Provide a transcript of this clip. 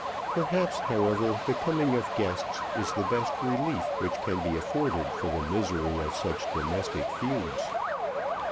Perhaps, however, the coming of guests is the best relief which can be afforded for the misery of such domestic feuds.